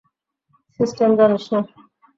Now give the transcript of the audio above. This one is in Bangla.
সিস্টেম জানিস না?